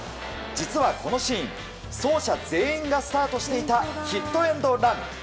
実はこのシーン走者全員がスタートしていたヒットエンドラン。